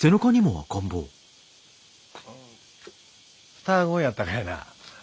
双子やったかいな？